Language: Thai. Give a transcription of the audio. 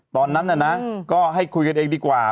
ตอนนั้นน่ะนะก็ให้คุยกันเองดีกว่า